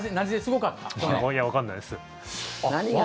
いや、わかんないです。